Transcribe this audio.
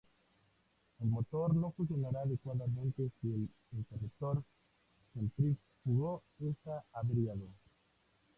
El motor no funcionará adecuadamente si el "interruptor centrífugo" está averiado.